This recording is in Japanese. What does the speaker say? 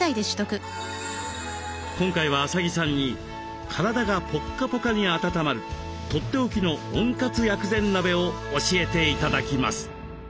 今回は麻木さんに体がポッカポカに温まるとっておきの温活薬膳鍋を教えて頂きます。